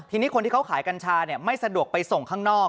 ทีนี้คนที่เขาขายกัญชาไม่สะดวกไปส่งข้างนอก